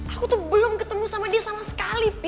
aku tuh belum ketemu sama dia sama sekali